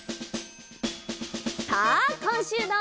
さあこんしゅうの。